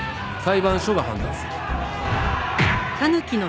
裁判所が判断する。